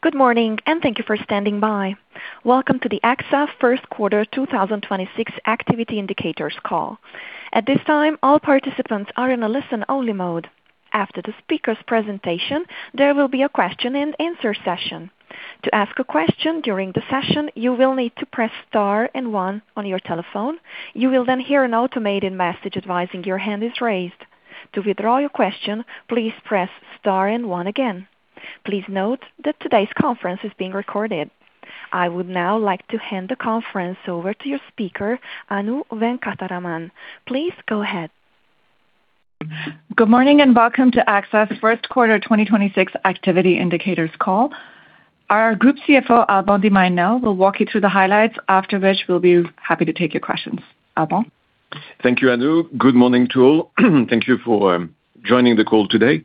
Good morning, and thank you for standing by. Welcome to the AXA First Quarter 2026 Activity Indicators Call. At this time, all participants are in a listen-only mode. After the speaker's presentation, there will be a question-and-answer session. To ask a question during the session, you will need to press star and one on your telephone. You will then hear an automated message advising your hand is raised. To withdraw your question, please press star and one again. Please note that today's conference is being recorded. I would now like to hand the conference over to your speaker, Anu Venkataraman. Please go ahead. Good morning, welcome to AXA first quarter 2026 activity indicators call. Our Group Chief Financial Officer, Alban de Mailly Nesle, will walk you through the highlights, after which we'll be happy to take your questions. Alban? Thank you, Anu. Good morning to all. Thank you for joining the call today.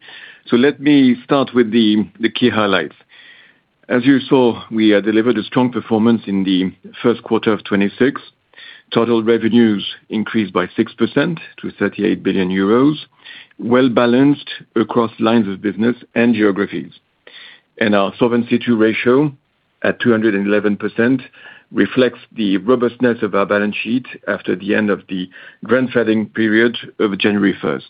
Let me start with the key highlights. As you saw, we delivered a strong performance in the first quarter of 2026. Total revenues increased by 6% to 38 billion euros, well-balanced across lines of business and geographies. Our Solvency II ratio at 211% reflects the robustness of our balance sheet after the end of the grandfathering period of January 1st.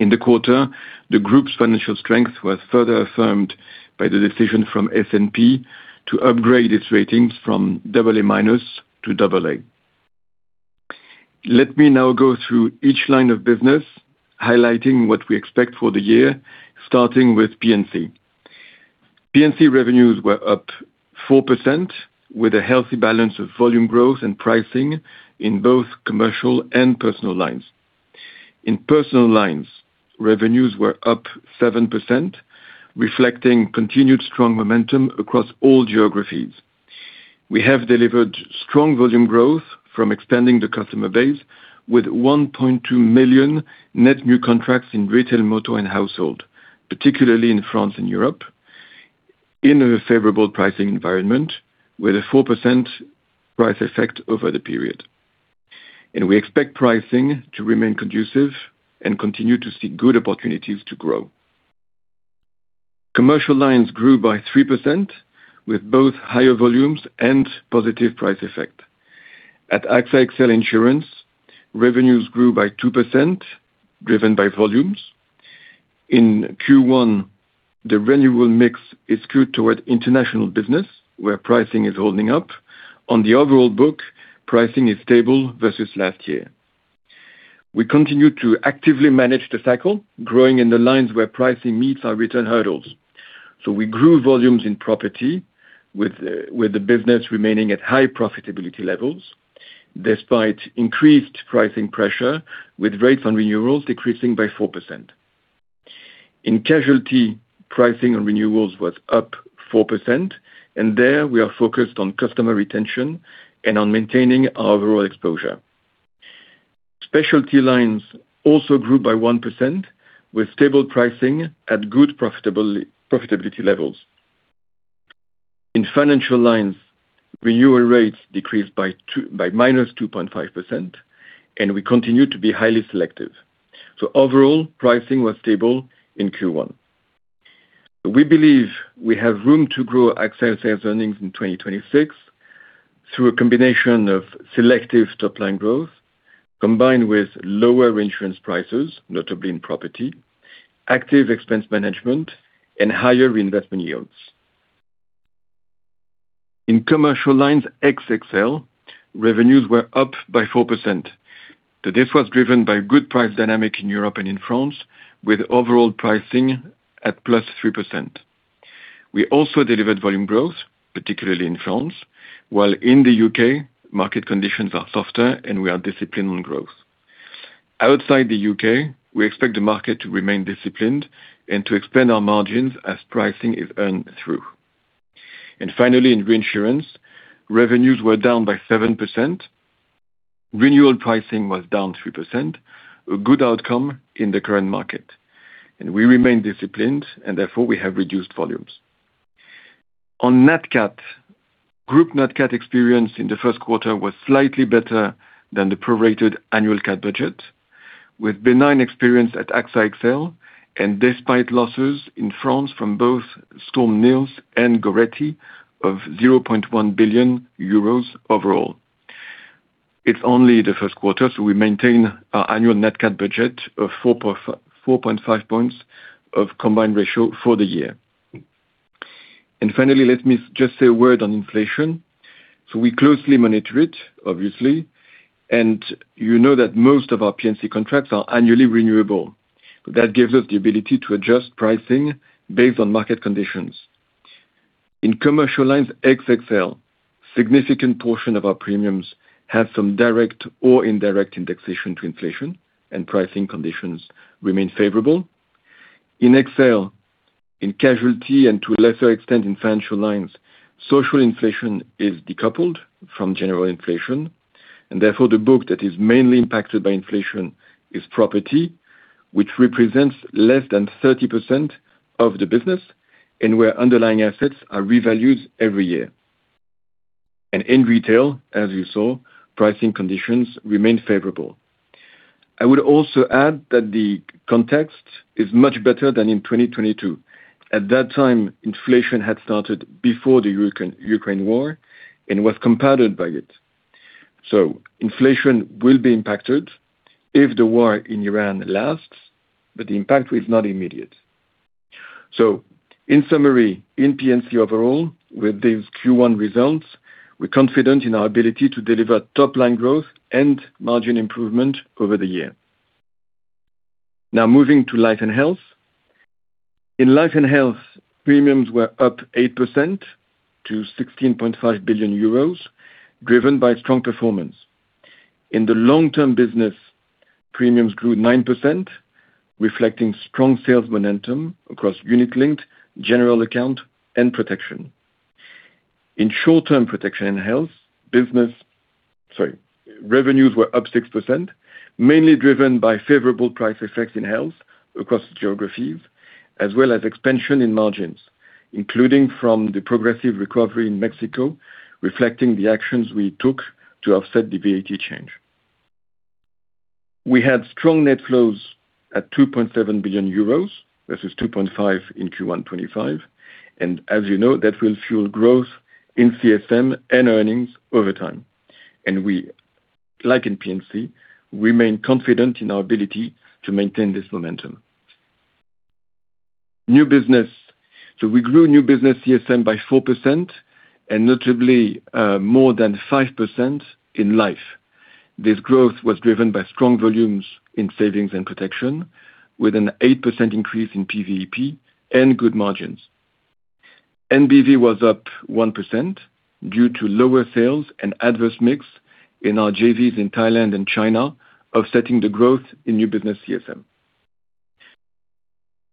In the quarter, the group's financial strength was further affirmed by the decision from S&P to upgrade its ratings from AA- to AA. Let me now go through each line of business, highlighting what we expect for the year, starting with P&C. P&C revenues were up 4% with a healthy balance of volume growth and pricing in both commercial and personal lines. In personal lines, revenues were up 7%, reflecting continued strong momentum across all geographies. We have delivered strong volume growth from expanding the customer base with 1.2 million net new contracts in retail, motor, and household, particularly in France and Europe, in a favorable pricing environment with a 4% price effect over the period. We expect pricing to remain conducive and continue to see good opportunities to grow. Commercial lines grew by 3% with both higher volumes and positive price effect. At AXA XL Insurance, revenues grew by 2%, driven by volumes. In Q1, the renewal mix is skewed towards international business, where pricing is holding up. On the overall book, pricing is stable versus last year. We continue to actively manage the cycle, growing in the lines where pricing meets our return hurdles. We grew volumes in property with the business remaining at high profitability levels, despite increased pricing pressure, with rates on renewals decreasing by 4%. In casualty, pricing on renewals was up 4%, and there we are focused on customer retention and on maintaining our overall exposure. Specialty lines also grew by 1%, with stable pricing at good profitability levels. In financial lines, renewal rates decreased by -2.5%, and we continue to be highly selective. Overall, pricing was stable in Q1. We believe we have room to grow AXA sales earnings in 2026 through a combination of selective top-line growth, combined with lower reinsurance prices, notably in property, active expense management, and higher investment yields. In commercial lines, AXA XL revenues were up by 4%. This was driven by good price dynamic in Europe and in France, with overall pricing at +3%. We also delivered volume growth, particularly in France, while in the U.K., market conditions are softer, and we are disciplined on growth. Outside the U.K., we expect the market to remain disciplined and to expand our margins as pricing is earned through. Finally, in reinsurance, revenues were down by 7%. Renewal pricing was down 3%, a good outcome in the current market, and we remain disciplined, and therefore we have reduced volumes. On Nat Cat, group Nat Cat experience in the first quarter was slightly better than the prorated annual CAT budget, with benign experience at AXA XL and despite losses in France from both Storm Nils and Goretti of 0.1 billion euros overall. It's only the first quarter, we maintain our annual Nat Cat budget of 4.5 points of combined ratio for the year. Finally, let me just say a word on inflation. We closely monitor it, obviously, and you know that most of our P&C contracts are annually renewable. That gives us the ability to adjust pricing based on market conditions. In commercial lines, AXA XL, significant portion of our premiums have some direct or indirect indexation to inflation, and pricing conditions remain favorable. In XL, in casualty and to a lesser extent, in financial lines, social inflation is decoupled from general inflation, and therefore the book that is mainly impacted by inflation is property, which represents less than 30% of the business and where underlying assets are revalued every year. In retail, as you saw, pricing conditions remain favorable. I would also add that the context is much better than in 2022. At that time, inflation had started before the Ukraine war and was compounded by it. Inflation will be impacted if the war in Iran lasts, but the impact is not immediate. In summary, in P&C overall, with these Q1 results, we're confident in our ability to deliver top-line growth and margin improvement over the year. Moving to life and health. In life and health, premiums were up 8% to 16.5 billion euros, driven by strong performance. In the long-term business, premiums grew 9%, reflecting strong sales momentum across unit-linked, general account, and protection. In short-term protection and health business, sorry, revenues were up 6%, mainly driven by favorable price effects in health across geographies as well as expansion in margins, including from the progressive recovery in Mexico, reflecting the actions we took to offset the VAT change. We had strong net flows at 2.7 billion euros versus 2.5 billion in Q1 2025, and as you know, that will fuel growth in CSM and earnings over time. We, like in P&C, remain confident in our ability to maintain this momentum. New business. We grew new business CSM by 4% notably, more than 5% in life. This growth was driven by strong volumes in savings and protection, with an 8% increase in PVNBP and good margins. NBV was up 1% due to lower sales and adverse mix in our JVs in Thailand and China, offsetting the growth in new business CSM.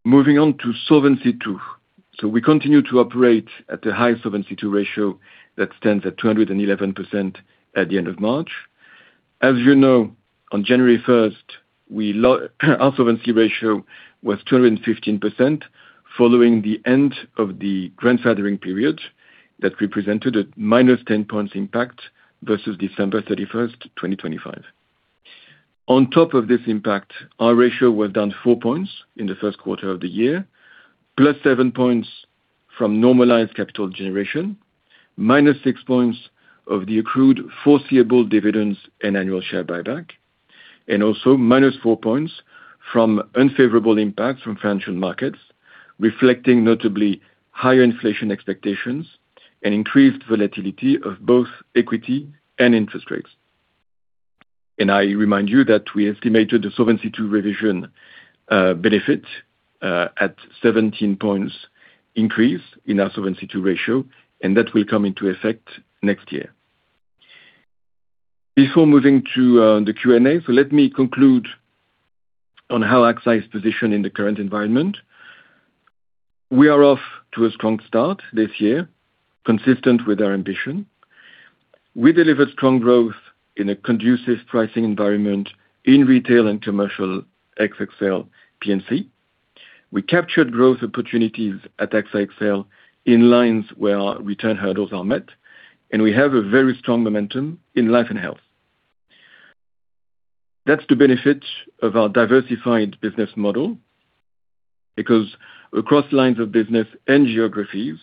Moving on to Solvency II. We continue to operate at a high Solvency II ratio that stands at 211% at the end of March. As you know, on January 1st, we our Solvency ratio was 215% following the end of the grandfathering period that represented a -10 points impact versus December 31st, 2025. On top of this impact, our ratio was down four points in the first quarter of the year, plus seven points from normalized capital generation, minus six points of the accrued foreseeable dividends and annual share buyback, and also minus four points from unfavorable impacts from financial markets, reflecting notably higher inflation expectations and increased volatility of both equity and interest rates. I remind you that we estimated the Solvency II revision benefit at 17 points increase in our Solvency II ratio, and that will come into effect next year. Before moving to the Q&A, let me conclude on how AXA is positioned in the current environment. We are off to a strong start this year, consistent with our ambition. We delivered strong growth in a conducive pricing environment in retail and commercial ex-XL P&C. We captured growth opportunities at AXA XL in lines where our return hurdles are met, and we have a very strong momentum in life and health. That's the benefit of our diversified business model because across lines of business and geographies,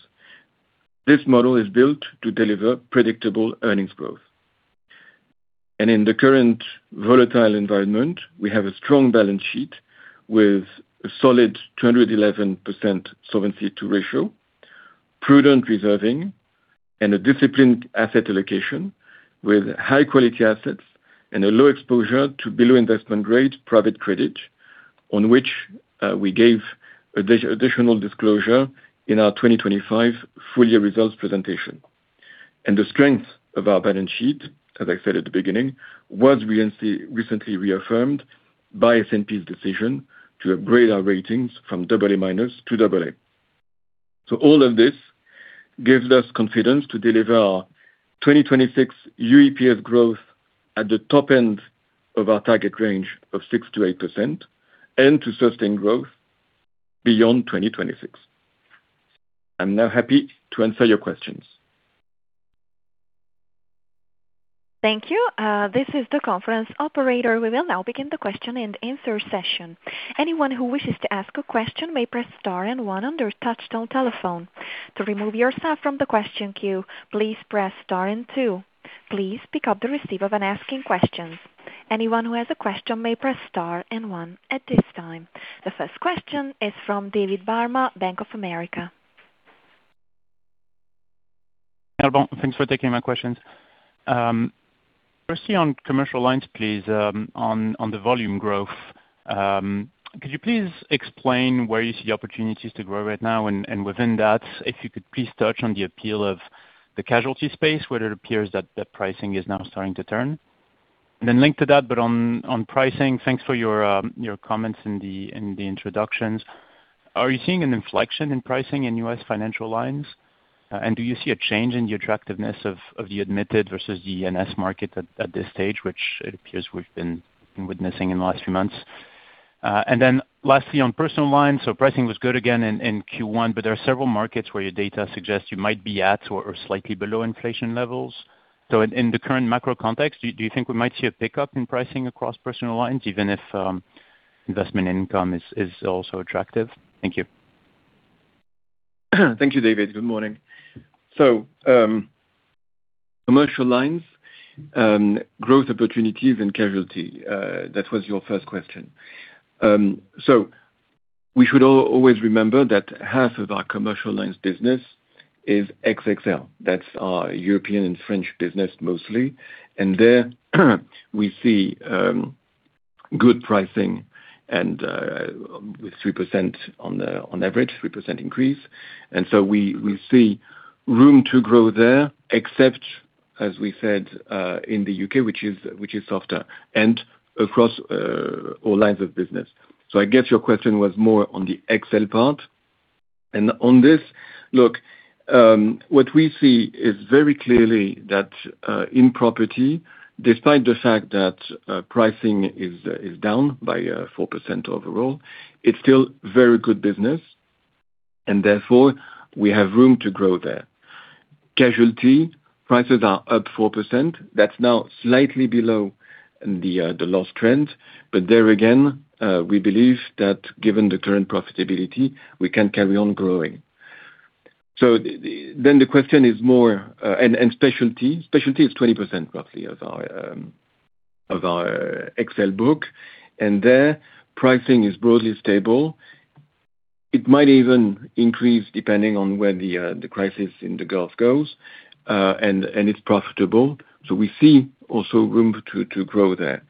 this model is built to deliver predictable earnings growth. In the current volatile environment, we have a strong balance sheet with a solid 211% Solvency II ratio, prudent reserving, and a disciplined asset allocation with high-quality assets and a low exposure to below-investment-grade private credit, on which we gave additional disclosure in our 2025 full-year results presentation. The strength of our balance sheet, as I said at the beginning, was recently reaffirmed by S&P's decision to upgrade our ratings from AA- to AA. All of this gives us confidence to deliver our 2026 UEPS growth at the top end of our target range of 6%-8% and to sustain growth beyond 2026. I am now happy to answer your questions. Thank you. This is the conference operator. We will now begin the question-and-answer session. Anyone who wishes to ask a question may press star and one on their touchtone telephone. To remove yourself from the question queue, please press star and two. Please pick up the receiver when asking questions. Anyone who has a question may press star and one at this time. The first question is from David Barma, Bank of America. Alban, thanks for taking my questions. Firstly, on commercial lines, please, on the volume growth. Could you please explain where you see opportunities to grow right now? Within that, if you could please touch on the appeal of the casualty space, whether it appears that pricing is now starting to turn. Linked to that but on pricing, thanks for your comments in the introductions. Are you seeing an inflection in pricing in US financial lines? Do you see a change in the attractiveness of the admitted versus the E&S market at this stage which it appears we've been witnessing in the last few months? Lastly, on personal lines. Pricing was good again in Q1, but there are several markets where your data suggests you might be at or slightly below inflation levels. In the current macro context, do you think we might see a pickup in pricing across personal lines even if investment income is also attractive? Thank you. Thank you, David. Good morning. Commercial lines, growth opportunities and casualty, that was your first question. We should always remember that half of our commercial lines business is ex-XL. That's our European and French business mostly. There, we see good pricing with 3% on the, on average, 3% increase. We see room to grow there, except as we said, in the U.K., which is softer and across all lines of business. I guess your question was more on the AXA XL part. On this, look, what we see is very clearly that in property, despite the fact that pricing is down by 4% overall, it's still very good business, therefore we have room to grow there. Casualty prices are up 4%. That's now slightly below the loss trend. There again, we believe that given the current profitability, we can carry on growing. The question is more. Specialty. Specialty is 20% roughly of our XL book, and their pricing is broadly stable. It might even increase depending on where the crisis in the Gulf goes, and it's profitable. We see also room to grow there.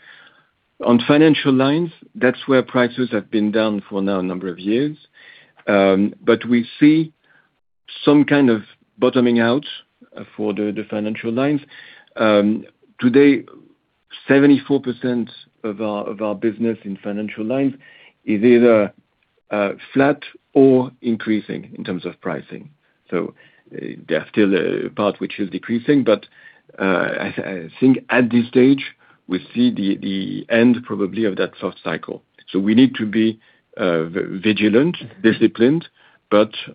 On financial lines, that's where prices have been down for now a number of years. We see some kind of bottoming out for the financial lines. Today, 74% of our business in financial lines is either flat or increasing in terms of pricing. There are still a part which is decreasing but I think at this stage, we see the end probably of that soft cycle. We need to be vigilant, disciplined.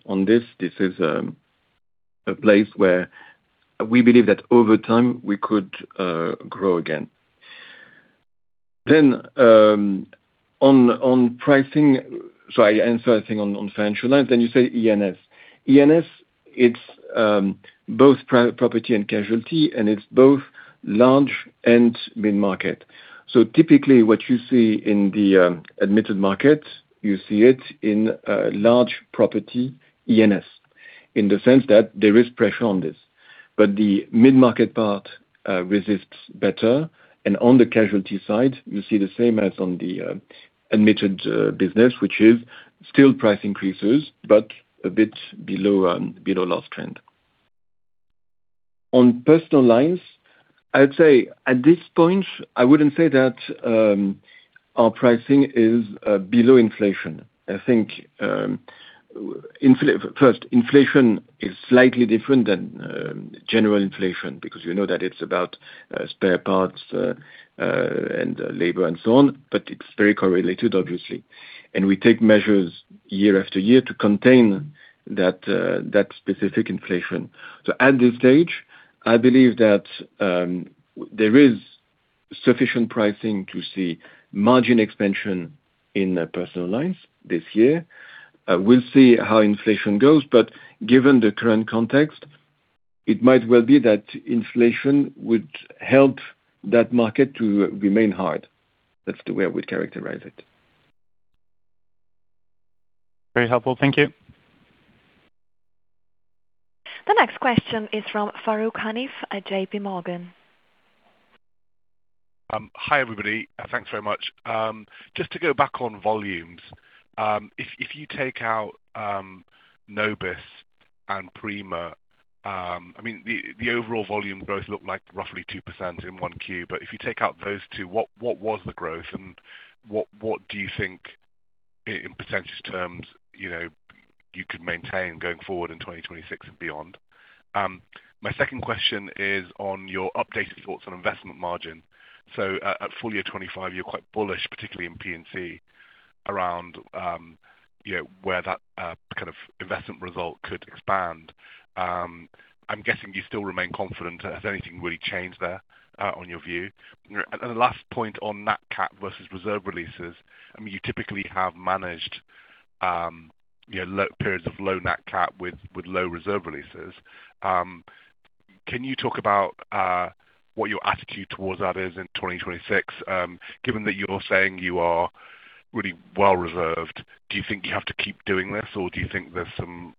On this is a place where we believe that over time we could grow again. On pricing. I answer, I think, on financial lines, then you say E&S. E&S, it's both property and casualty, and it's both large and mid-market. Typically what you see in the admitted market, you see it in large property E&S in the sense that there is pressure on this. The mid-market part resists better. On the casualty side, you see the same as on the admitted business which is still price increases, but a bit below loss trend. On personal lines, I'd say at this point, I wouldn't say that our pricing is below inflation. I think first, inflation is slightly different than general inflation because you know that it's about spare parts, and labor and so on but it's very correlated, obviously. We take measures year after year to contain that specific inflation. At this stage, I believe that there is sufficient pricing to see margin expansion in personal lines this year. We'll see how inflation goes but given the current context, it might well be that inflation would help that market to remain hard. That's the way I would characterize it. Very helpful. Thank you. The next question is from Farooq Hanif at JPMorgan. Hi, everybody. Thanks very much. Just to go back on volumes, if you take out Nobis and Prima, the overall volume growth looked like roughly 2% in 1Q. If you take out those two, what was the growth and what do you think in percentage terms, you know, you could maintain going forward in 2026 and beyond? My second question is on your updated thoughts on investment margin. At full year 2025, you're quite bullish, particularly in P&C, around where that kind of investment result could expand. I'm guessing you still remain confident. Has anything really changed there on your view? The last point on Nat CAT versus reserve releases, I mean, you typically have managed, you know, low periods of low Nat Cat with low reserve releases. Can you talk about what your attitude towards that is in 2026? Given that you're saying you are really well reserved, do you think you have to keep doing this, or do you think there's some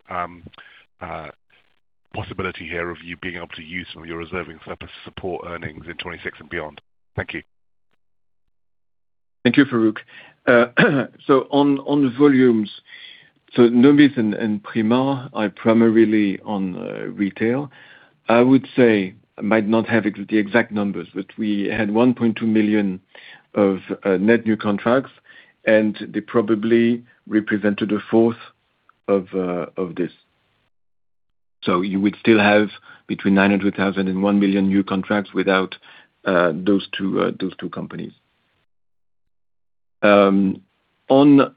possibility here of you being able to use some of your reserving surplus support earnings in 2026 and beyond? Thank you. Thank you, Farooq. On volumes, Nobis and Prima are primarily on retail. I would say, I might not have the exact numbers but we had 1.2 million of net new contracts, and they probably represented a fourth of this. You would still have between 900,000 and 1 million new contracts without those two companies. On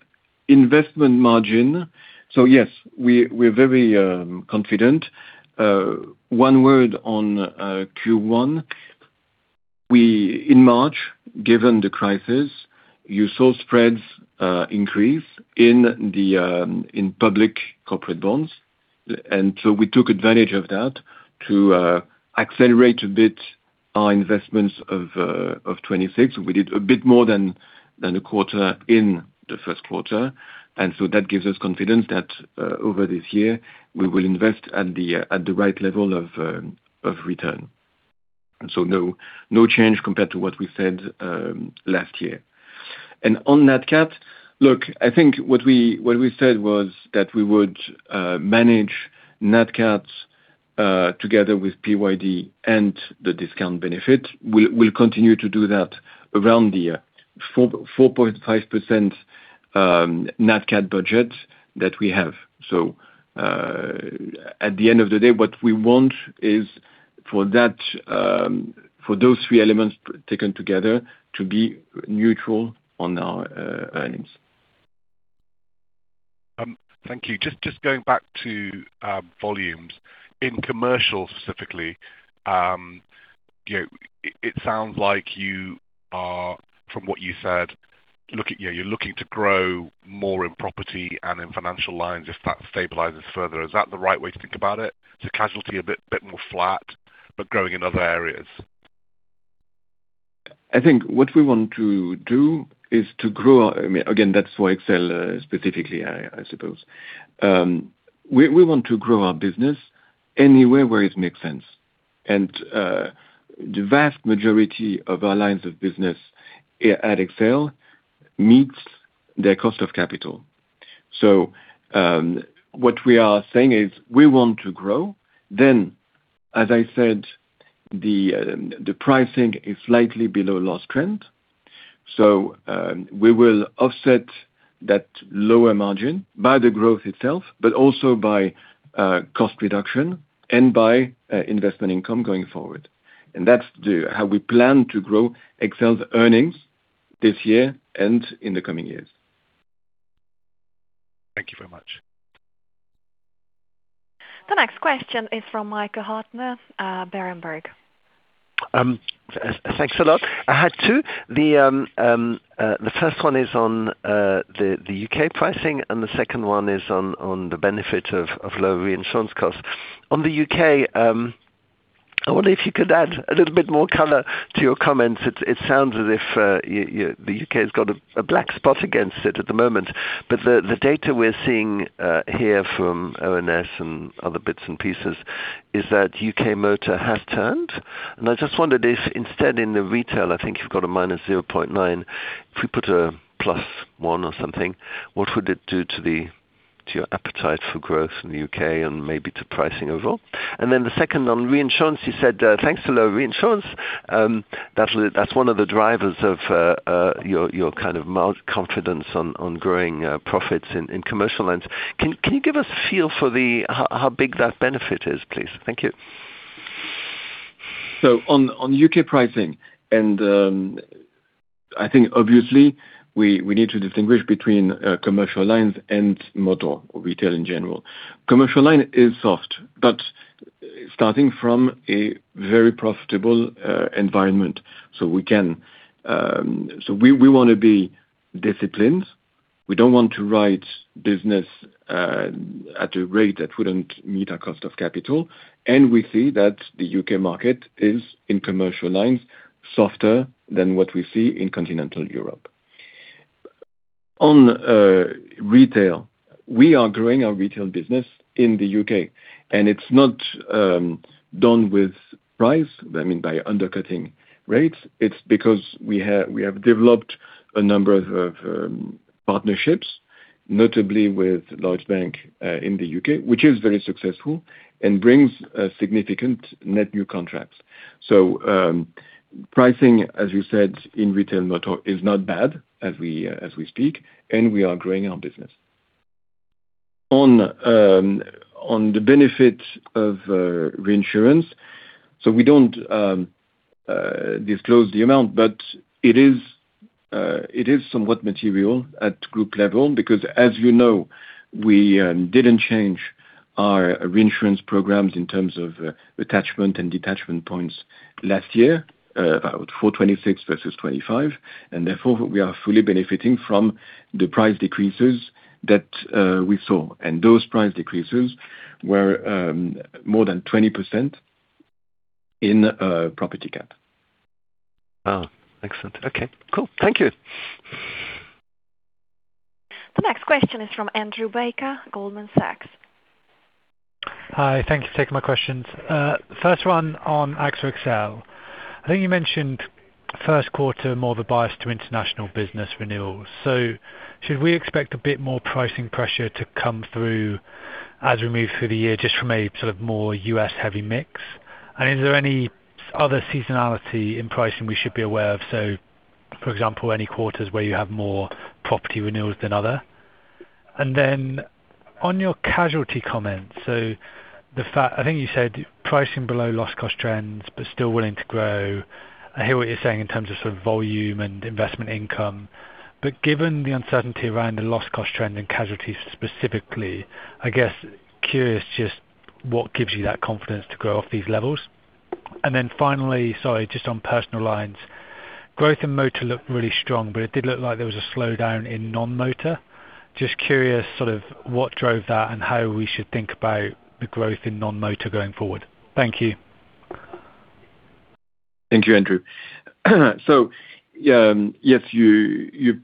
investment margin, yes, we're very confident. One word on Q1. In March, given the crisis, you saw spreads increase in the public corporate bonds. We took advantage of that to accelerate a bit our investments of 2026. We did a bit more than a quarter in the first quarter, that gives us confidence that over this year, we will invest at the right level of return. No change compared to what we said last year. On Nat Cat, look, I think what we said was that we would manage Nat Cats together with PYD and the discount benefit. We'll continue to do that around the 4.5% Nat Cat budget that we have. At the end of the day, what we want is for that, for those three elements taken together to be neutral on our earnings. Thank you. Just going back to volumes. In commercial specifically, you know, it sounds like you are, from what you said, look at, you know, you're looking to grow more in property and in financial lines if that stabilizes further. Is that the right way to think about it? Casualty a bit more flat, but growing in other areas. I think what we want to do is to grow. I mean, again, that's for XL specifically, I suppose. We want to grow our business anywhere where it makes sense. The vast majority of our lines of business at XL meets their cost of capital. What we are saying is we want to grow. As I said, the pricing is slightly below loss trend. We will offset that lower margin by the growth itself, but also by cost reduction and by investment income going forward. That's how we plan to grow XL's earnings this year and in the coming years. Thank you very much. The next question is from Michael Huttner, Berenberg. Thanks a lot. I had two. The first one is on the U.K. pricing, and the second one is on the benefit of low reinsurance costs. On the U.K., I wonder if you could add a little bit more color to your comments. It sounds as if the U.K. has got a black spot against it at the moment but the data we're seeing here from ONS and other bits and pieces is that U.K. motor has turned. I just wondered if instead in the retail, I think you've got a -0.9. If we put a +1 or something, what would it do to your appetite for growth in the U.K. and maybe to pricing overall? The second on reinsurance, you said, thanks to low reinsurance. That's one of the drivers of your kind of mild confidence on growing profits in commercial ex-XL. Can you give us a feel for how big that benefit is, please? Thank you. On U.K. pricing, and I think obviously we need to distinguish between commercial lines and motor or retail in general. Commercial lines is soft, but starting from a very profitable environment. We want to be disciplined. We don't want to write business at a rate that wouldn't meet our cost of capital. We see that the U.K. market is, in commercial lines, softer than what we see in continental Europe. On retail, we are growing our retail business in the U.K., and it's not done with price, I mean, by undercutting rates. It's because we have developed a number of partnerships, notably with large bank in the U.K., which is very successful and brings a significant net new contracts. Pricing, as you said, in retail motor is not bad as we speak, and we are growing our business. On the benefit of reinsurance. We don't disclose the amount, but it is somewhat material at group level because as you know, we didn't change our reinsurance programs in terms of attachment and detachment points last year about four 2026 versus 2025, and therefore, we are fully benefiting from the price decreases that we saw. Those price decreases were more than 20% in property cat. Excellent. Okay, cool. Thank you. The next question is from Andrew Baker, Goldman Sachs. Hi. Thank you for taking my questions. First one on AXA XL. I think you mentioned first quarter more of a bias to international business renewals. Should we expect a bit more pricing pressure to come through as we move through the year just from a sort of more U.S.-heavy mix? Is there any other seasonality in pricing we should be aware of, For example, any quarters where you have more property renewals than other? On your casualty comments. I think you said pricing below loss cost trends, but still willing to grow. I hear what you're saying in terms of sort of volume and investment income. Given the uncertainty around the loss cost trend in casualties specifically, I guess curious just what gives you that confidence to grow off these levels. Finally, sorry, just on personal lines, growth in motor looked really strong, but it did look like there was a slowdown in non-motor. Just curious sort of what drove that and how we should think about the growth in non-motor going forward. Thank you. Thank you, Andrew. Yes, you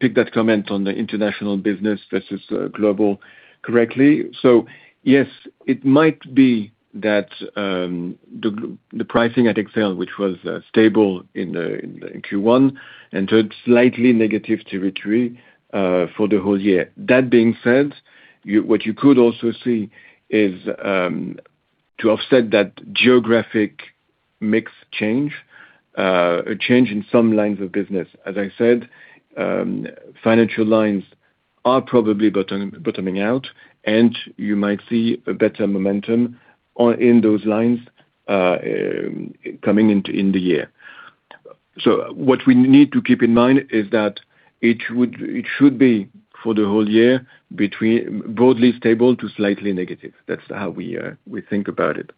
picked that comment on the international business versus global correctly. Yes, it might be that the pricing at AXA XL, which was stable in Q1, entered slightly negative territory for the whole year. That being said, what you could also see is to offset that geographic mix change, a change in some lines of business. As I said, financial lines are probably bottoming out, and you might see a better momentum on, in those lines coming into in the year. What we need to keep in mind is that it should be for the whole year between broadly stable to slightly negative. That's how we think about it.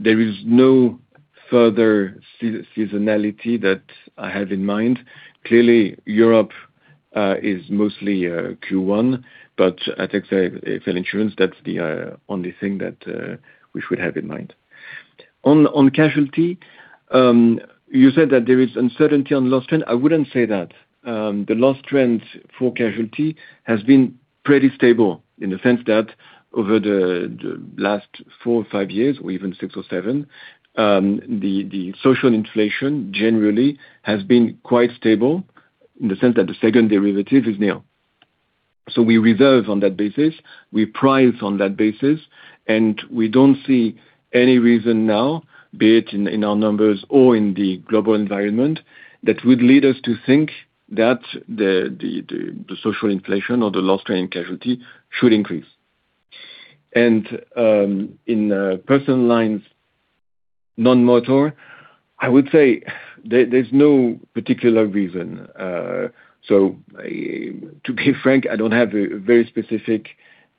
There is no further seasonality that I have in mind. Clearly, Europe, is mostly Q1, but at AXA XL Insurance, that's the only thing that we should have in mind. On casualty, you said that there is uncertainty on loss trend. I wouldn't say that. The loss trend for casualty has been pretty stable in the sense that over the last four or five years or even six or seven, the social inflation generally has been quite stable in the sense that the second derivative is nil. We reserve on that basis, we price on that basis, and we don't see any reason now, be it in our numbers or in the global environment, that would lead us to think that the social inflation or the loss trend in casualty should increase. In personal lines, non-motor, I would say there's no particular reason. To be frank, I don't have a very specific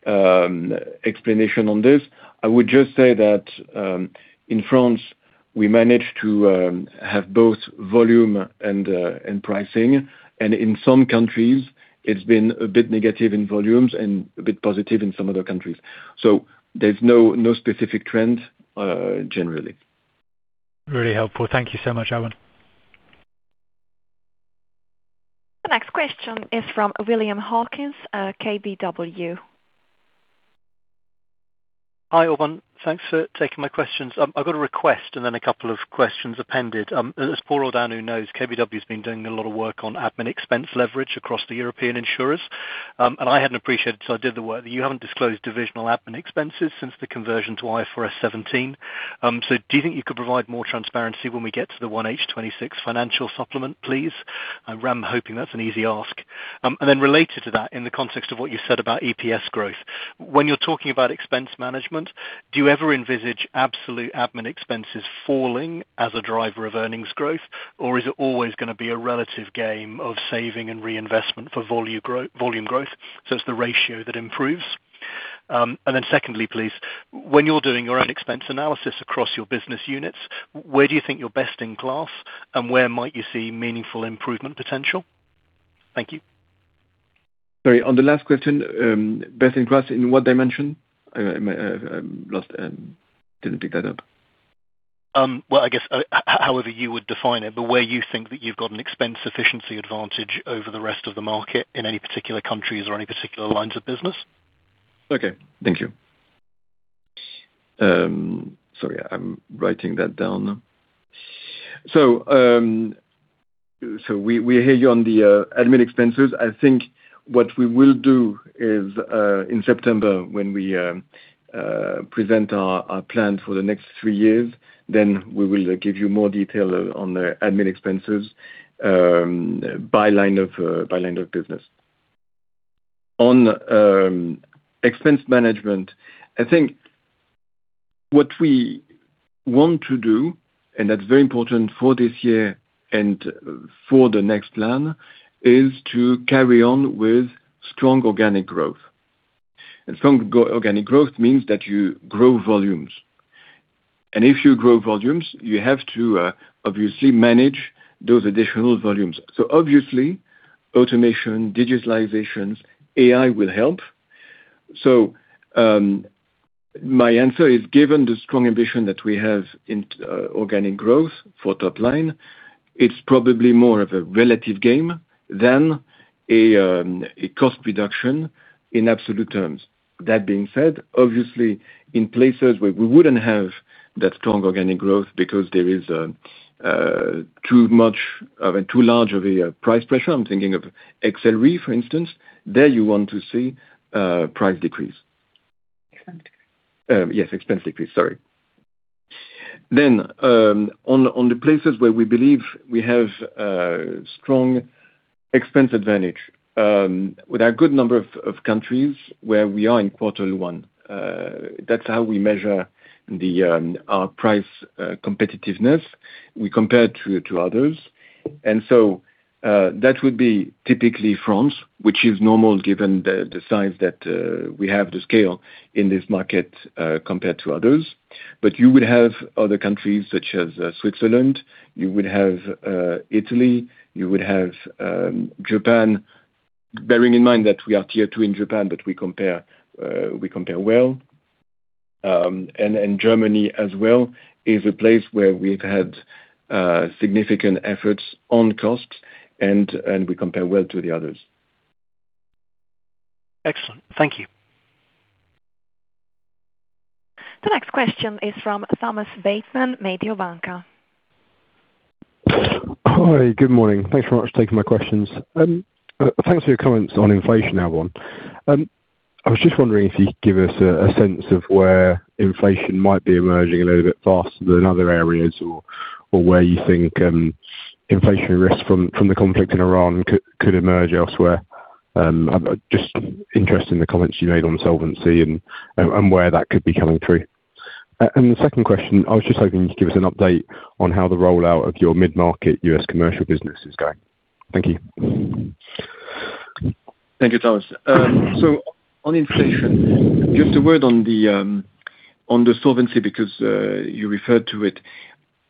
explanation on this. I would just say that in France, we managed to have both volume and pricing, and in some countries it's been a bit negative in volumes and a bit positive in some other countries. There's no specific trend generally. Really helpful. Thank you so much, Alban. The next question is from William Hawkins, KBW. Hi, Alban. Thanks for taking my questions. I've got a request and then a couple of questions appended. As Paul Roudan knows, KBW's been doing a lot of work on admin expense leverage across the European insurers. I hadn't appreciated, so I did the work. You haven't disclosed divisional admin expenses since the conversion to IFRS 17. Do you think you could provide more transparency when we get to the 1H 2026 financial supplement, please? I'm hoping that's an easy ask. Related to that, in the context of what you said about EPS growth, when you're talking about expense management, do you ever envisage absolute admin expenses falling as a driver of earnings growth or is it always gonna be a relative game of saving and reinvestment for volume growth, so it's the ratio that improves? Then secondly, please, when you are doing your own expense analysis across your business units, where do you think you are best in class, and where might you see meaningful improvement potential? Thank you. Sorry, on the last question, best in class in what dimension? I am lost, didn't pick that up. Well, I guess however you would define it, where you think that you've got an expense efficiency advantage over the rest of the market in any particular countries or any particular lines of business. Okay. Thank you. Sorry, I'm writing that down. We, we hear you on the admin expenses. I think what we will do is in September, when we present our plan for the next three years, then we will give you more detail on the admin expenses by line of business. On expense management, I think what we want to do, and that's very important for this year and for the next plan, is to carry on with strong organic growth. Strong organic growth means that you grow volumes. If you grow volumes, you have to obviously manage those additional volumes. Obviously, automation, digitalization, AI will help. My answer is, given the strong ambition that we have in organic growth for top line, it's probably more of a relative game than a cost reduction in absolute terms. That being said, obviously in places where we wouldn't have that strong organic growth because there is too large of a price pressure. I'm thinking of XL Re, for instance, there you want to see price decrease. Expense. Yes, expense, please. Sorry. On the places where we believe we have strong expense advantage, with a good number of countries where we are in quartile one. That's how we measure the our price competitiveness. We compare to others. That would be typically France, which is normal given the size that we have the scale in this market, compared to others. You would have other countries such as Switzerland, you would have Italy, you would have Japan. Bearing in mind that we are tier II in Japan, but we compare, we compare well. Germany as well is a place where we've had significant efforts on cost and we compare well to the others. Excellent. Thank you. The next question is from Thomas Bateman, Mediobanca. Hi, good morning. Thanks very much for taking my questions. Thanks for your comments on inflation, Alban. I was just wondering if you could give us a sense of where inflation might be emerging a little bit faster than other areas or where you think inflationary risks from the conflict in Iran could emerge elsewhere. I'm just interested in the comments you made on solvency and where that could be coming through. The second question, I was just hoping you could give us an update on how the rollout of your mid-market U.S. commercial business is going. Thank you. Thank you, Thomas. On inflation, just a word on the solvency because you referred to it.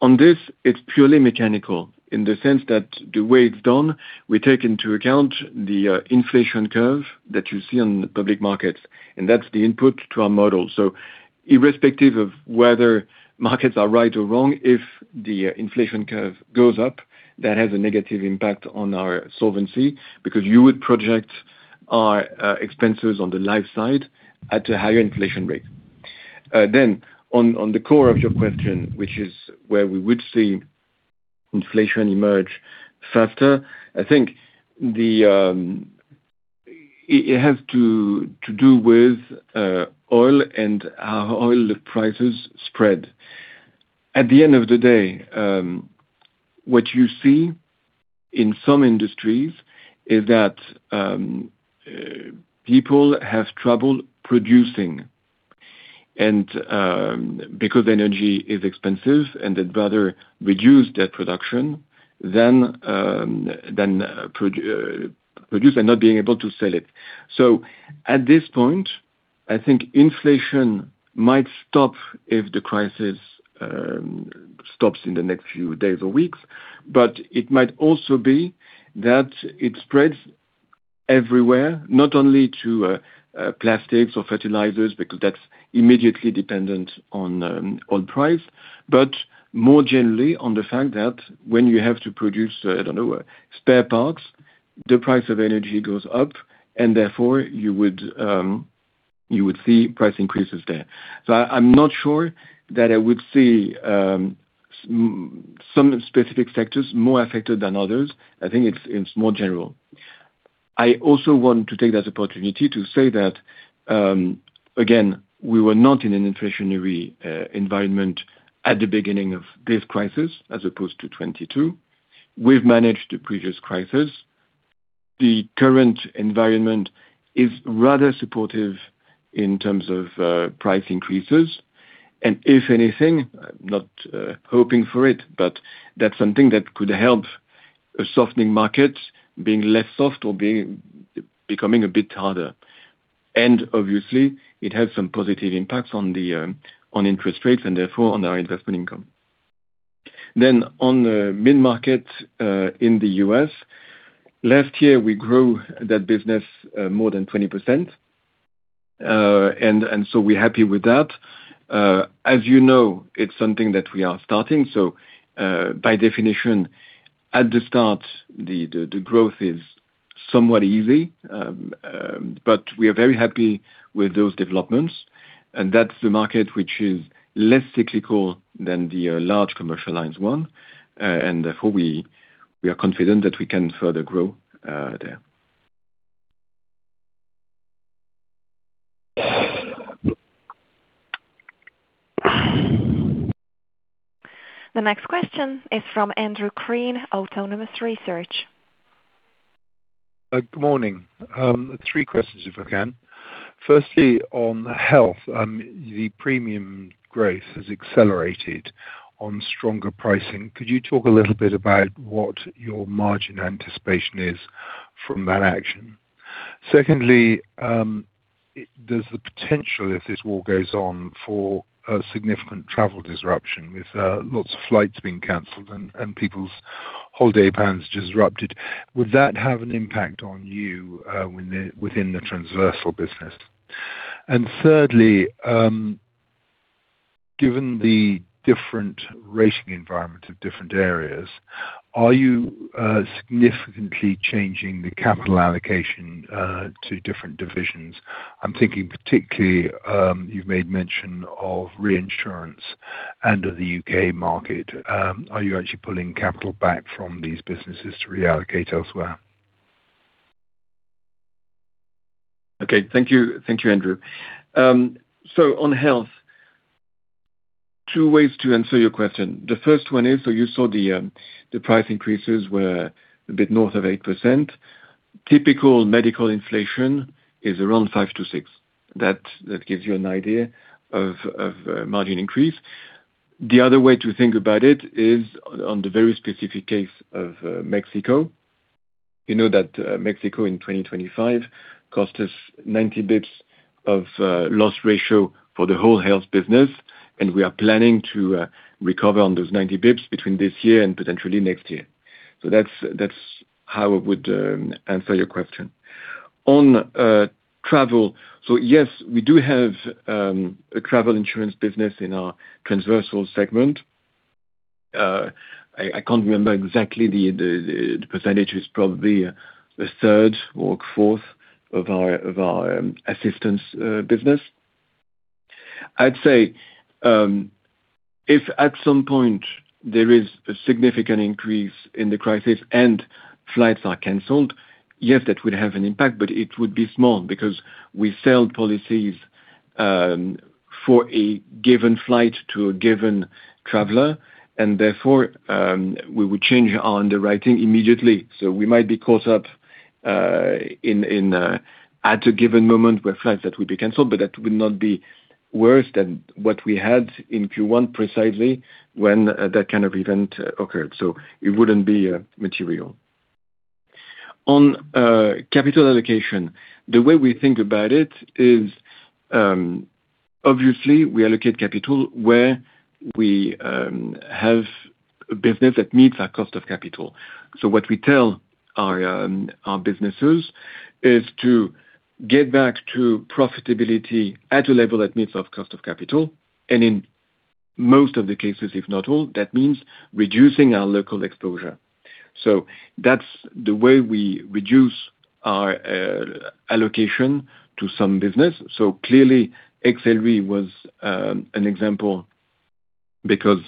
On this, it's purely mechanical in the sense that the way it's done, we take into account the inflation curve that you see on the public markets and that's the input to our model. Irrespective of whether markets are right or wrong, if the inflation curve goes up, that has a negative impact on our Solvency because you would project our expenses on the life side at a higher inflation rate. On the core of your question which is where we would see inflation emerge faster, I think the it has to do with oil and how oil prices spread. At the end of the day, what you see in some industries is that people have trouble producing because energy is expensive, and they'd rather reduce that production than produce and not being able to sell it. At this point, I think inflation might stop if the crisis stops in the next few days or weeks but it might also be that it spreads everywhere, not only to plastics or fertilizers, because that's immediately dependent on price but more generally on the fact that when you have to produce, I don't know, spare parts, the price of energy goes up, and therefore you would see price increases there. I'm not sure that I would see some specific sectors more affected than others. I think it's more general. I also want to take this opportunity to say that, again, we were not in an inflationary environment at the beginning of this crisis as opposed to 2022. We've managed the previous crisis. The current environment is rather supportive in terms of price increases. If anything, not hoping for it but that's something that could help a softening market being less soft or becoming a bit harder. Obviously, it has some positive impacts on the, on interest rates and therefore on our investment income. On the mid-market, in the U.S., last year we grew that business more than 20%. So we're happy with that. As you know, it's something that we are starting. By definition, at the start, the, the growth is somewhat easy. We are very happy with those developments. That's the market which is less cyclical than the large commercial lines one. Therefore we are confident that we can further grow there. The next question is from Andrew Crean, Autonomous Research. Good morning. Three questions, if I can. Firstly, on health, the premium growth has accelerated on stronger pricing. Could you talk a little bit about what your margin anticipation is from that action? Secondly, there's the potential, if this war goes on, for a significant travel disruption with lots of flights being cancelled and people's holiday plans disrupted. Would that have an impact on you within the transversal business? Thirdly, given the different rating environment of different areas, are you significantly changing the capital allocation to different divisions? I'm thinking particularly, you've made mention of reinsurance and of the U.K. market. Are you actually pulling capital back from these businesses to reallocate elsewhere? Okay. Thank you. Thank you, Andrew. On health, two ways to answer your question. The first one is, you saw the price increases were a bit north of 8%. Typical medical inflation is around five to six. That gives you an idea of margin increase. The other way to think about it is on the very specific case of Mexico. You know that Mexico in 2025 cost us 90 basis points of loss ratio for the whole health business, and we are planning to recover on those 90 basis points between this year and potentially next year. That's how I would answer your question. On travel. Yes, we do have a travel insurance business in our transversal segment. I can't remember exactly the percentage. It's probably a 3rd or 4th of our, of our assistance business. I'd say, if at some point there is a significant increase in the crisis and flights are cancelled, yes, that would have an impact, but it would be small because we sell policies for a given flight to a given traveler and therefore, we would change on the writing immediately. We might be caught up in at a given moment where flights that would be canceled, but that would not be worse than what we had in Q1 precisely when that kind of event occurred. It wouldn't be material. On capital allocation. The way we think about it is, obviously we allocate capital where we have business that meets our cost of capital. What we tell our businesses is to get back to profitability at a level that meets our cost of capital. In most of the cases, if not all, that means reducing our local exposure. That's the way we reduce our allocation to some business. Clearly, AXA XL was an example because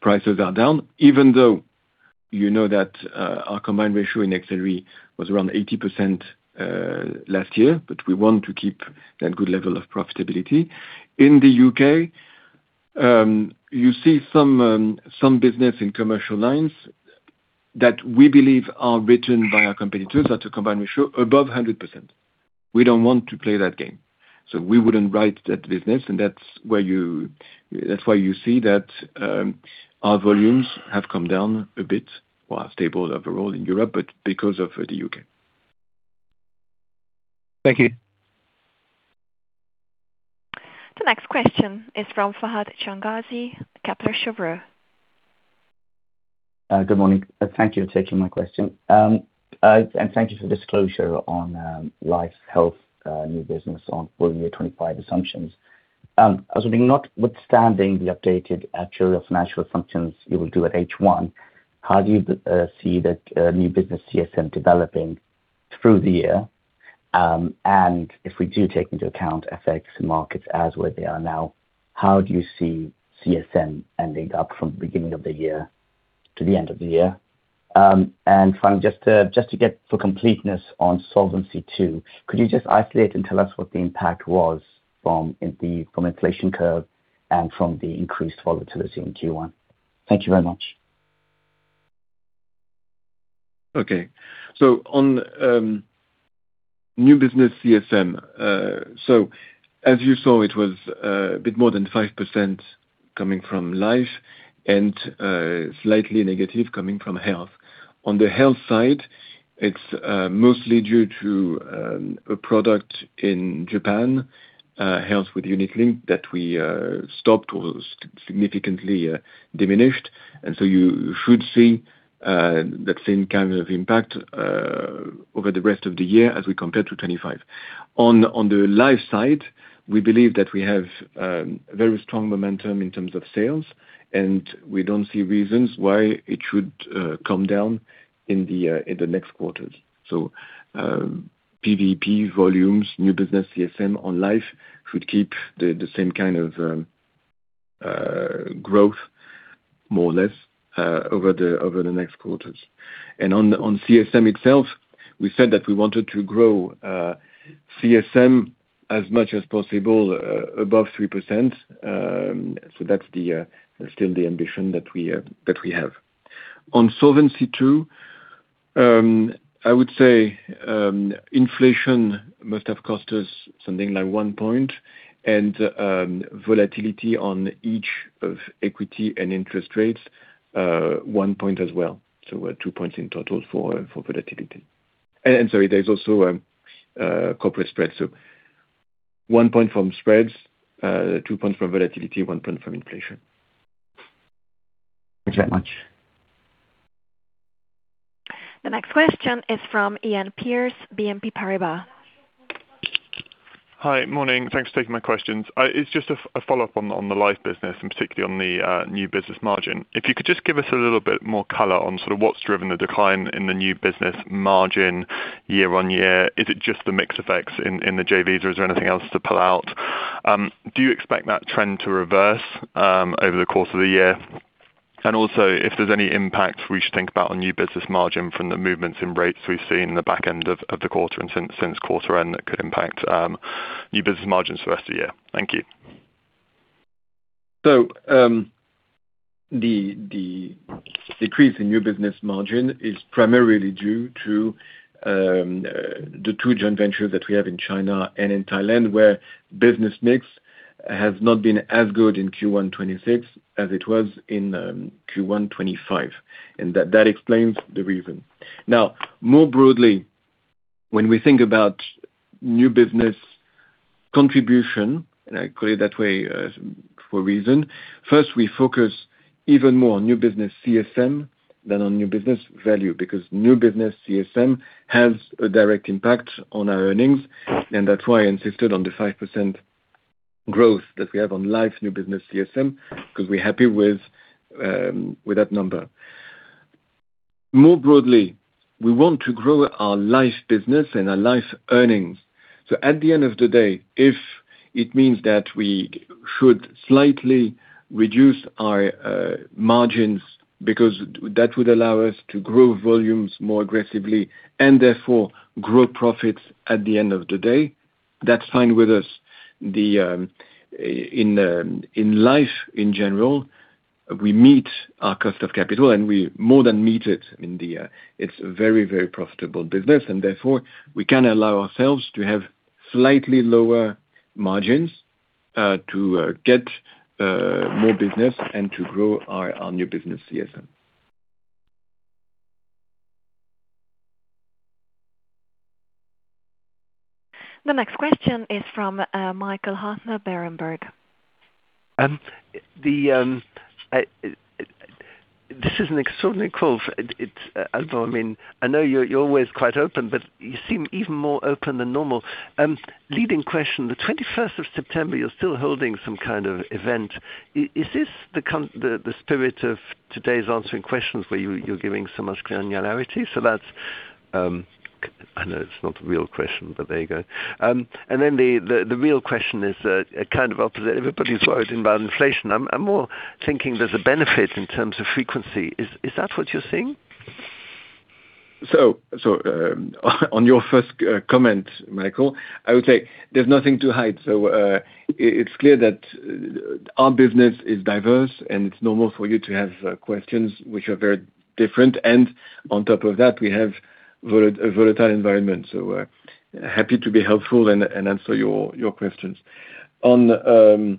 prices are down, even though you know that our combined ratio in AXA XL was around 80% last year but we want to keep that good level of profitability. In the U.K., you see some business in commercial lines that we believe are written by our competitors at a combined ratio above 100%. We don't want to play that game, we wouldn't write that business. That's why you see that, our volumes have come down a bit while stable overall in Europe, but because of the U.K. Thank you. The next question is from Fahad Changazi, Kepler Cheuvreux. Good morning. Thank you for taking my question. Thank you for the disclosure on life health new business on full year 25 assumptions. Notwithstanding the updated actual financial assumptions you will do at H1, how do you see that new business CSM developing through the year? If we do take into account FX markets as where they are now, how do you see CSM ending up from beginning of the year to the end of the year? Frank, just to get for completeness on Solvency II, could you just isolate and tell us what the impact was from the inflation curve and from the increased volatility in Q1? Thank you very much. Okay. On new business CSM. As you saw, it was a bit more than 5% coming from life and slightly negative coming from health. On the health side, it's mostly due to a product in Japan, health with unit-linked that we stopped or significantly diminished. You should see that same kind of impact over the rest of the year as we compare to 2025. On the life side, we believe that we have very strong momentum in terms of sales, and we don't see reasons why it should come down in the next quarters. PVNBP volumes, new business CSM on life should keep the same kind of growth more or less over the next quarters. On CSM itself, we said that we wanted to grow CSM as much as possible above 3%. That's the still the ambition that we have. On Solvency II, I would say inflation must have cost us something like one point and volatility on each of equity and interest rates one point as well. We're two points in total for volatility. Sorry, there's also corporate spread. One point from spreads, two points from volatility, one point from inflation. Thanks very much. The next question is from Ian Pearce, BNP Paribas. Hi. Morning. Thanks for taking my questions. It's just a follow-up on the life business and particularly on the new business margin. If you could just give us a little bit more color on sort of what's driven the decline in the new business margin year on year. Is it just the mix effects in the JVs, or is there anything else to pull out? Do you expect that trend to reverse over the course of the year? Also if there's any impact we should think about on new business margin from the movements in rates we've seen in the back end of the quarter and since quarter end that could impact new business margins for the rest of the year. Thank you. The decrease in new business margin is primarily due to the two joint ventures that we have in China and in Thailand, where business mix has not been as good in Q1 2026 as it was in Q1 2025. That explains the reason. More broadly, when we think about new business contribution, and I put it that way, for a reason. We focus even more on new business CSM than on new business value, because new business CSM has a direct impact on our earnings, and that's why I insisted on the 5% growth that we have on life new business CSM, because we're happy with that number. More broadly, we want to grow our life business and our life earnings. At the end of the day, if it means that we should slightly reduce our margins because that would allow us to grow volumes more aggressively and therefore grow profits at the end of the day, that's fine with us. In life in general, we meet our cost of capital, and we more than meet it. It's a very, very profitable business, and therefore, we can allow ourselves to have slightly lower margins to get more business and to grow our new business CSM. The next question is from Michael Huttner, Berenberg. This is an extraordinary call. It's Alban, I mean, I know you're always quite open, but you seem even more open than normal. Leading question, the 21st of September, you're still holding some kind of event. Is this the spirit of today's answering questions where you're giving so much granularity? That's, I know it's not the real question, but there you go. Then the, the real question is kind of opposite. Everybody's worried about inflation. I'm more thinking there's a benefit in terms of frequency. Is that what you're seeing? On your first comment, Michael, I would say there's nothing to hide. It's clear that our business is diverse, and it's normal for you to have questions which are very different. On top of that, we have volatile environment, happy to be helpful and answer your questions. On the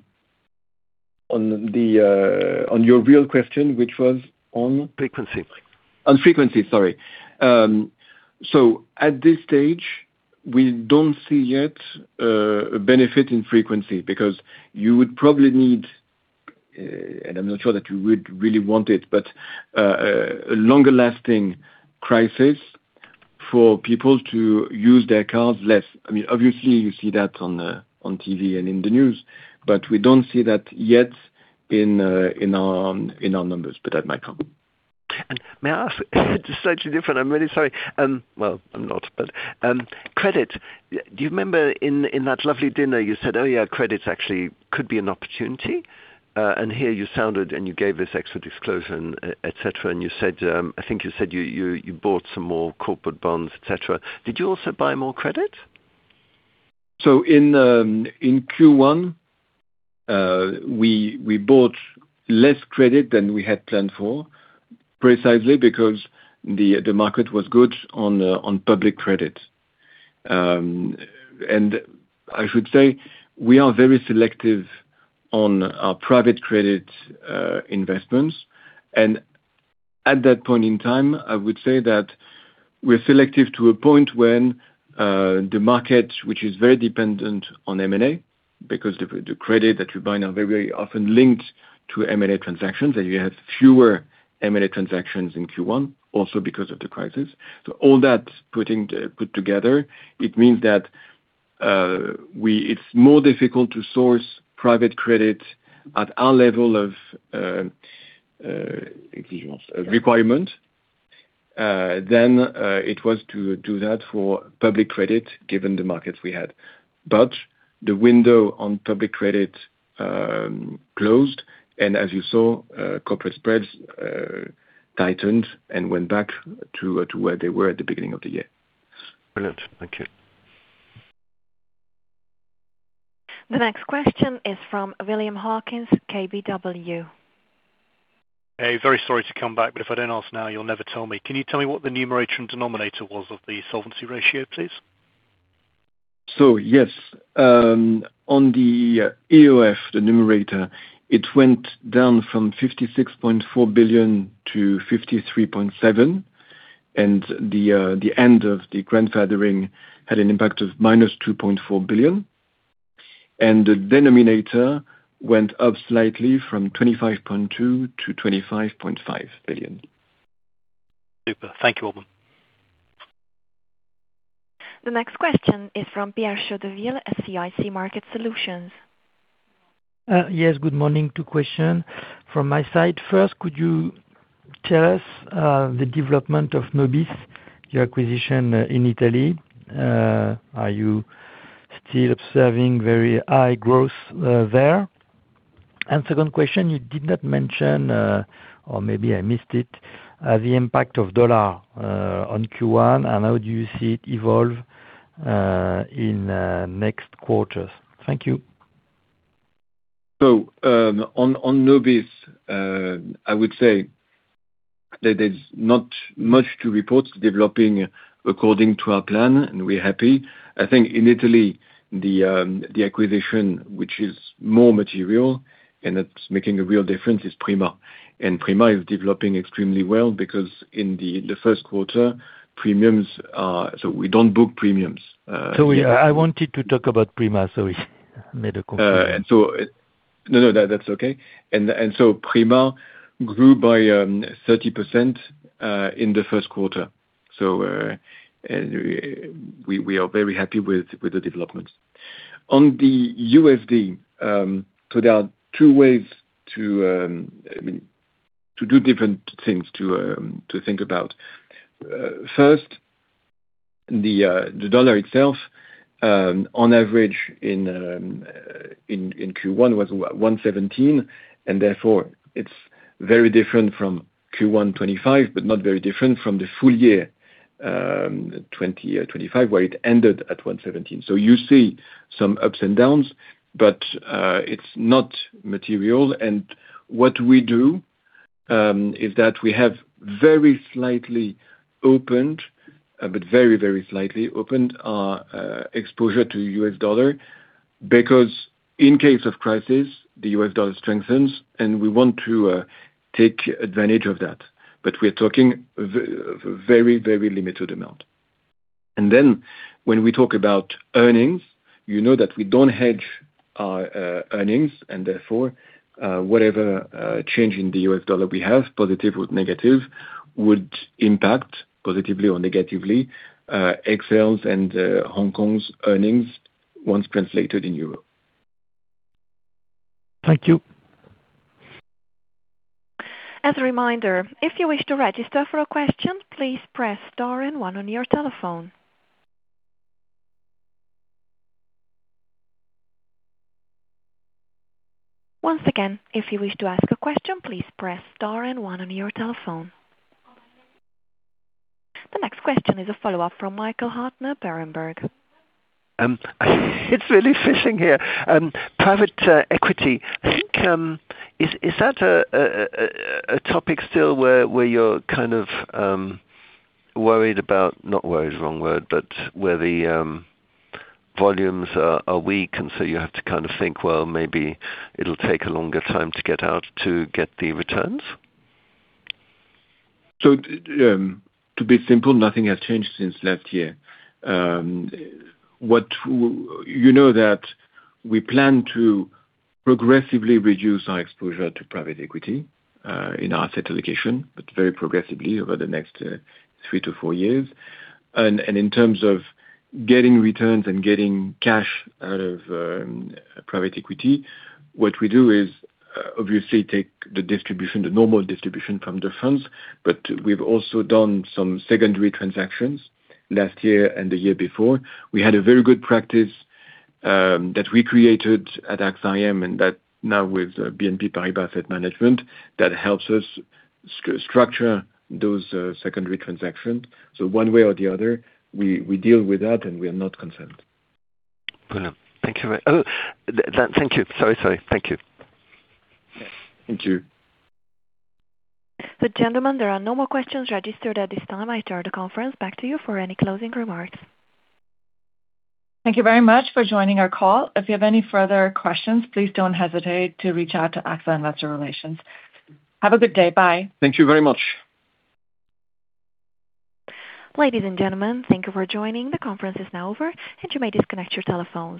on your real question, which was on? Frequency. On frequency, sorry. At this stage, we don't see yet a benefit in frequency because you would probably need, and I'm not sure that you would really want it, but a longer lasting crisis for people to use their cards less. I mean, obviously you see that on TV and in the news but we don't see that yet in our, in our numbers. That might come. May I ask slightly different. I'm really sorry. Well, I'm not. Credit. Do you remember in that lovely dinner you said, "Oh, yeah, credits actually could be an opportunity." Here you sounded and you gave this extra disclosure and et cetera, and you said, I think you said you bought some more corporate bonds, et cetera. Did you also buy more credit? In Q1, we bought less credit than we had planned for, precisely because the market was good on public credit. I should say we are very selective on our private credit investments. At that point in time, I would say that we're selective to a point when the market which is very dependent on M&A, because the credit that you buy now very often linked to M&A transactions, and you have fewer M&A transactions in Q1 also because of the crisis. All that put together, it means that it's more difficult to source private credit at our level of requirement than it was to do that for public credit given the markets we had. The window on public credit closed, and as you saw, corporate spreads tightened and went back to where they were at the beginning of the year. Brilliant. Thank you. The next question is from William Hawkins, KBW. Hey, very sorry to come back, but if I don't ask now, you'll never tell me. Can you tell me what the numerator and denominator was of the solvency ratio, please? Yes, on the EOF, the numerator, it went down from 56.4 billion to 53.7 billion. The end of the grandfathering had an impact of -2.4 billion. The denominator went up slightly from 25.2 billion to 25.5 billion. Super. Thank you, Alban. The next question is from Pierre Chédeville at CIC Market Solutions. Yes, good morning. Two question from my side. First, tell us the development of Nobis, your acquisition in Italy. Are you still observing very high growth there? Second question, you did not mention, or maybe I missed it, the impact of dollar on Q1, and how do you see it evolve in next quarters? Thank you. On Nobis, I would say that there's not much to report. It's developing according to our plan, and we're happy. I think in Italy, the acquisition, which is more material, and it's making a real difference, is Prima. Prima is developing extremely well because in the first quarter, we don't book premiums. Sorry, I wanted to talk about Prima, sorry. Made a confusion. No, that's okay. Prima grew by 30% in the first quarter. We are very happy with the developments. On the USD, there are two ways to, I mean, to do different things to think about. First, the dollar itself, on average in Q1 was 1.17. Therefore, it is very different from Q1 2025, not very different from the full year 2025, where it ended at 1.17. You see some ups and downs, it is not material. What we do is that we have very slightly opened, but very, very slightly opened our exposure to US dollar because in case of crisis, the US dollar strengthens, and we want to take advantage of that. We're talking very, very limited amount. When we talk about earnings, you know that we don't hedge our earnings, and therefore, whatever change in the US dollar we have, positive or negative, would impact positively or negatively, XL's and Hong Kong's earnings once translated in Euro. Thank you. As a reminder, if you wish to register for a question, please press star and one on your telephone. Once again, if you wish to ask a question, please press star and one on your telephone. The next question is a follow-up from Michael Huttner, Berenberg. It's really fishing here. Private equity, I think, is that a topic still where you're kind of worried about, wrong word, but where the volumes are weak, and so you have to kind of think, "Well, maybe it'll take a longer time to get out to get the returns?'' To be simple, nothing has changed since last year. You know that we plan to progressively reduce our exposure to private equity in our asset allocation but very progressively over the next three to four years. In terms of getting returns and getting cash out of private equity, what we do is obviously take the distribution, the normal distribution from the funds but we have also done some secondary transactions last year and the year before. We had a very good practice that we created at AXA IM, and that now with BNP Paribas Asset Management, that helps us structure those secondary transactions. One way or the other, we deal with that, and we are not concerned. Brilliant. Thank you. Sorry. Thank you. Thank you. Gentlemen, there are no more questions registered at this time. I turn the conference back to you for any closing remarks. Thank you very much for joining our call. If you have any further questions, please don't hesitate to reach out to AXA Investor Relations. Have a good day. Bye. Thank you very much. Ladies and gentlemen, thank you for joining. The conference is now over. You may disconnect your telephones.